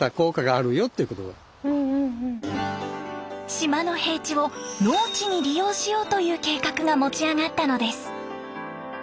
島の平地を農地に利用しようという計画が持ち上がったのです。